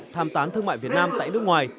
tham tán thương mại việt nam tại nước ngoài